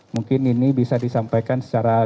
mungkin ini bisa disampaikan secara